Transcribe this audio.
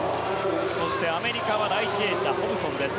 そしてアメリカは第１泳者、ホブソンです。